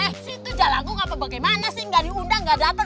eh si itu jalanku ngapa bagaimana sih ga diundang ga dateng